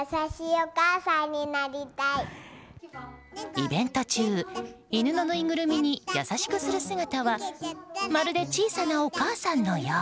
イベント中、犬のぬいぐるみに優しくする姿はまるで、小さなお母さんのよう。